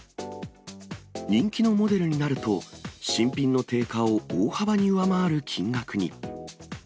人気のモデルになると、新品の定価を大幅に上回る金額に。